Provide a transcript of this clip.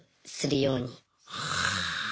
はあ！